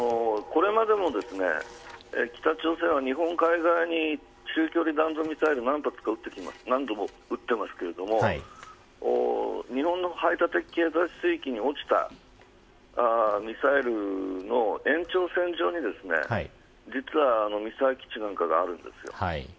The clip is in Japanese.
これまでも北朝鮮は日本海側に中距離弾道ミサイルを何度も打ってますけれども日本の排他的経済水域に落ちたミサイルの延長線上に実は三沢基地なんかがあるんです。